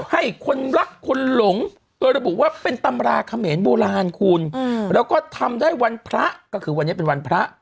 ให้คนรักคนหลงโดยระบุว่าเป็นตำราเขมรโบราณคุณแล้วก็ทำได้วันพระก็คือวันนี้เป็นวันพระ